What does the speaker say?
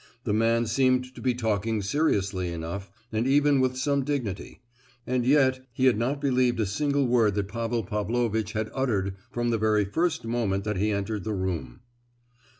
The man seemed to be talking seriously enough, and even with some dignity; and yet he had not believed a single word that Pavel Pavlovitch had uttered from the very first moment that he entered the room.